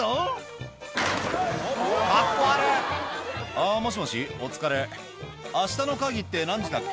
「あぁもしもしお疲れ明日の会議って何時だっけ？」